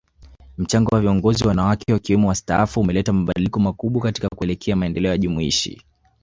Mchango wa viongozi wanawake wakiwemo wastaafu umeleta mabadiliko makubwa katika kuelekea maendeleo jumuishi